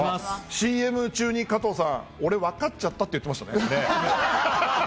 ＣＭ中に加藤さん、俺、分かっちゃった！って言ってましたよね。